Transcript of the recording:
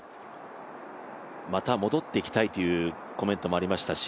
また戻ってきたいというコメントもありましたし